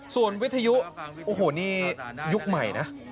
ส่วนวิทยุโอ้โหนี่ยุคใหม่นะ